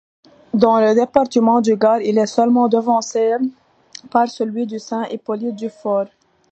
Dans le département du Gard, il est seulement devancé d' par celui de Saint-Hippolyte-du-Fort.